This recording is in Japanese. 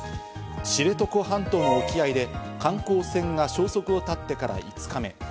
知床半島の沖合で観光船が消息を絶ってから５日目。